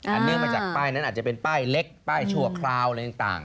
เนื่องมาจากป้ายนั้นอาจจะเป็นป้ายเล็กป้ายชั่วคราวอะไรต่าง